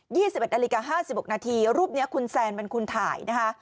๒๑นาฬิกา๕๖นาทีรูปนี้คุณแซนมันคุณถ่าย